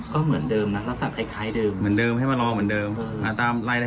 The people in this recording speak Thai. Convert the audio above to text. ก็เหมือนเดิมนะแล้วสั่งคล้ายเดิม